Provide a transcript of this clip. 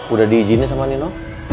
udah diizinin sama nino